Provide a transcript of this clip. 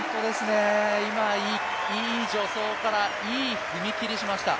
今、いい助走からいい踏み切りしました。